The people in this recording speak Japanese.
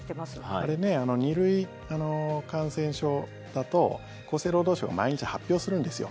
あれ、２類感染症だと厚生労働省が毎日発表するんですよ。